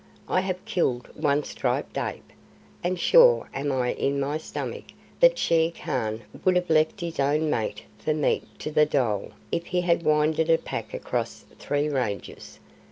"I have killed one striped ape, and sure am I in my stomach that Shere Khan would have left his own mate for meat to the dhole if he had winded a pack across three ranges.